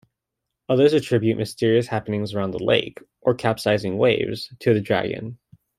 Others attribute mysterious happenings around the lake, or capsizing waves, to the dragon.